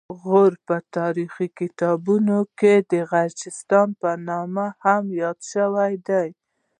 غور په تاریخي کتابونو کې د غرجستان په نوم هم یاد شوی دی